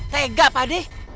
tega pak ade